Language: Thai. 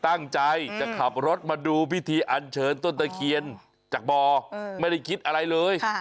ตั้งใจจะขับรถมาดูพิธีอันเชิญต้นตะเคียนจากบ่อไม่ได้คิดอะไรเลย